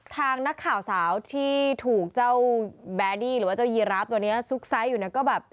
ทางนักข่าวสาวที่ถูกเจ้าแบดี้หรือว่าเจ้ายีราฟตัวนี้ซุกไซส์อยู่เนี่ยก็แบบ